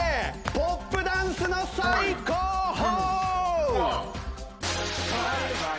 ポップダンスの最高峰！